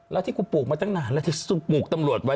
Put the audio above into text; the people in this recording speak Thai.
แล้วที่กูปลูกมาตั้งนานแล้วที่ปลูกตำรวจไว้